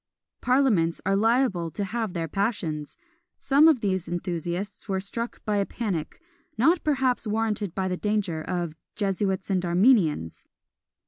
Parliaments are liable to have their passions! Some of these enthusiasts were struck by a panic, not perhaps warranted by the danger, of "Jesuits and Armenians."